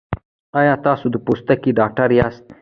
ایا تاسو د پوستکي ډاکټر یاست؟